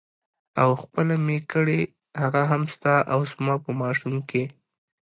او خپله مې کړې هغه هم ستا او زما په ماشوم کې.